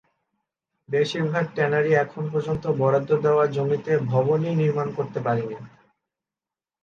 বেশির ভাগ ট্যানারি এখন পর্যন্ত বরাদ্দ দেওয়া জমিতে ভবনই নির্মাণ করতে পারেনি।